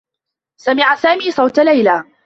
سمع سامي صوت ليلى.